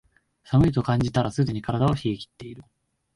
寒いと感じたらすでに体は冷えきってる